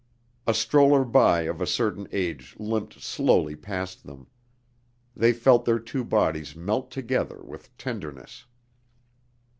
A stroller by of a certain age limped slowly past them. They felt their two bodies melt together with tenderness....